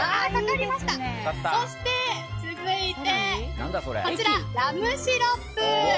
そして、続いてラムシロップ。